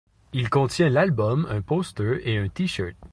Il contient l'album, un poster et un T-Shirt.